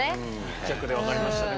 密着で分かりましたね